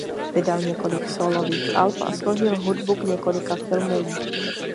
Vydal několik sólových alb a složil hudbu k několika filmům.